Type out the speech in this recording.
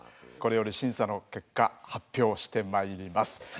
これより審査の結果発表してまいります。